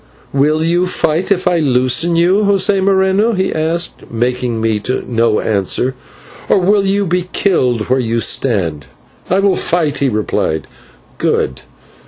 "Will you fight if I loose you, José Moreno?" he asked, making me no answer, "or will you be killed where you stand?" "I will fight," he replied. "Good.